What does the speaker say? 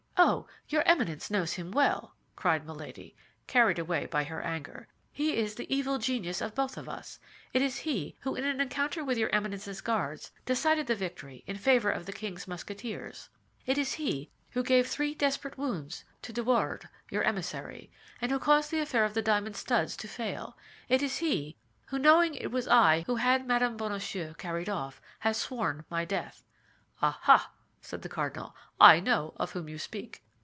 "Oh, your Eminence knows him well," cried Milady, carried away by her anger. "He is the evil genius of both of us. It is he who in an encounter with your Eminence's Guards decided the victory in favor of the king's Musketeers; it is he who gave three desperate wounds to De Wardes, your emissary, and who caused the affair of the diamond studs to fail; it is he who, knowing it was I who had Madame Bonacieux carried off, has sworn my death." "Ah, ah!" said the cardinal, "I know of whom you speak."